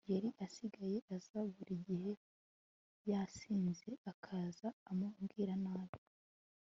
yari asigaye aza buri gihe yasinze akaza ambwira nabi